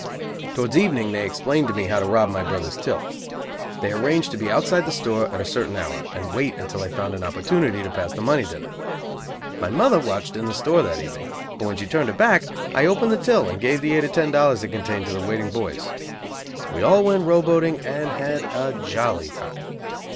Towards evening they explained to me how to rob my brother's till. They arranged to be outside the store at a certain hour, and wait until I found an opportunity to pass the money to them. My mother watched in the store that evening, but when she turned her back I opened the till and gave the eight or ten dollars it contained to the waiting boys. We all went row boating and had a jolly time.